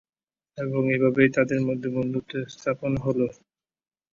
এবং এভাবেই তাদের মধ্যে বন্ধুত্ব স্থাপন হল।